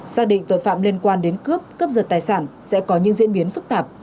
xác định tội phạm liên quan đến cướp cướp giật tài sản sẽ có những diễn biến phức tạp